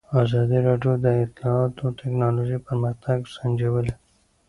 ازادي راډیو د اطلاعاتی تکنالوژي پرمختګ سنجولی.